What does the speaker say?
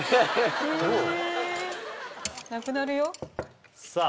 えっなくなるよさあ